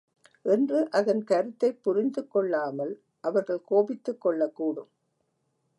என்று அதன் கருத்தைப் புரிந்துகொள்ளாமல் அவர்கள் கோபித்துக் கொள்ளக் கூடும்.